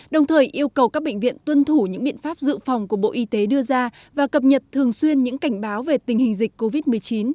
đồng thời yêu cầu các bệnh viện tuân thủ những biện pháp dự phòng của bộ y tế đưa ra và cập nhật thường xuyên những cảnh báo về tình hình dịch covid một mươi chín